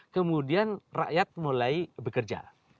kemudian rakyat mulai bekerja